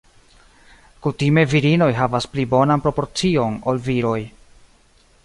Kutime virinoj havas pli bonan proporcion ol viroj.